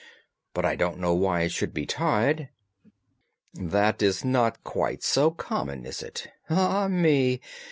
But I don't know why it should be tied." "That is not quite so common, is it? Ah, me!